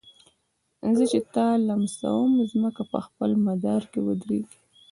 زه چي تا لمسوم مځکه په خپل مدار کي ودريږي